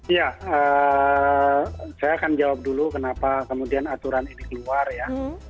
ya saya akan jawab dulu kenapa kemudian aturan ini keluar ya